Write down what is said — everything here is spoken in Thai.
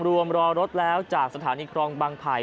รอรถแล้วจากสถานีครองบางไผ่